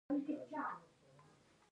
آیا د میلمه په مخکې غوښه نه ټوټه کیږي؟